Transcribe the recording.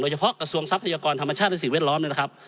โดยเฉพาะกระทรวงทรัพยากรธรรมชาติศิลป์เวลอ้อมนี่นะครับ